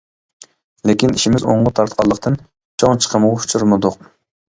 لېكىن ئىشىمىز ئوڭغا تارتقانلىقتىن، چوڭ چىقىمغا ئۇچرىمىدۇق.